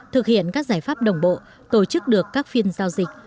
thực hiện các giải pháp đồng bộ tổ chức được các phiên giao dịch